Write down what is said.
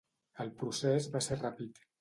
El procés va ser ràpid.